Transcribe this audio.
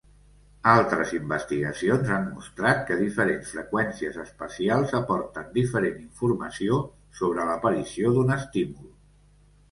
Altres investigacions han mostrat que diferents freqüències espacials aporten diferent informació sobre l'aparició d'un estímul.